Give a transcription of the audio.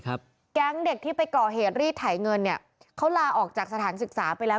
แก๊งเด็กที่ไปก่อเหตุรีดไถเงินเนี่ยเขาลาออกจากสถานศึกษาไปแล้ว